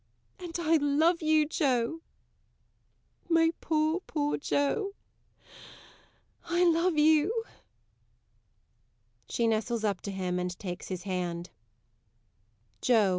And I love you, Joe. My poor, poor Joe! I love you. [She nestles up to him and takes his hand. JOE.